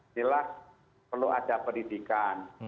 inilah perlu ada pendidikan